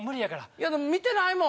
いや見てないもん。